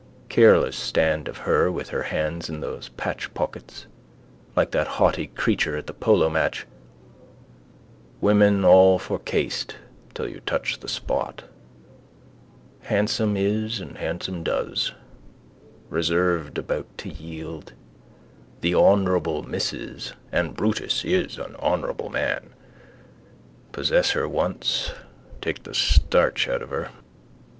Careless stand of her with her hands in those patch pockets. Like that haughty creature at the polo match. Women all for caste till you touch the spot. Handsome is and handsome does. Reserved about to yield. The honourable Mrs and Brutus is an honourable man. Possess her once take the starch out of her.